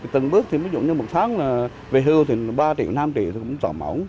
từng bước thì ví dụ như một tháng là về hưu thì ba triệu năm triệu tôi cũng chọn mẫu